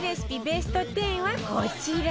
ベスト１０はこちら